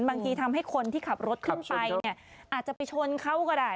ทำให้คนที่ขับรถขึ้นไปเนี่ยอาจจะไปชนเขาก็ได้